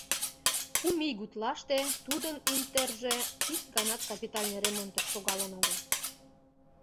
Кум ий гутлаште тудын «Интерже» ик ганат капитальный ремонтыш шогалын огыл.